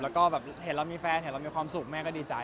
แล้วก็เห็นแล้วมีแฟนเห็นแล้วมีความสุขแม่ก็ดีใจครับ